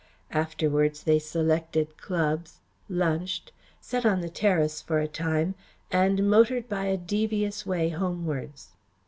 Afterwards they selected clubs, lunched, sat on the terrace for a time and motored by a devious way homewards.